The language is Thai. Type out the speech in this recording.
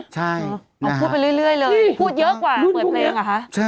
พูดไปเรื่อยเลยพูดเยอะกว่าเปิดเพลงอ่ะฮะ